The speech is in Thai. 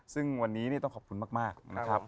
ซึ่งวันนี้ต้องขอบคุณมากนะครับ